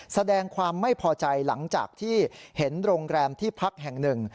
แสดงความไม่พอใจหลังจากที่เห็นโรงแรมที่พักแห่งหนึ่ง